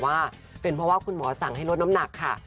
ว่าเป็นเพราะว่าคุณหมอสั่งให้ลดน้ำหนักค่ะ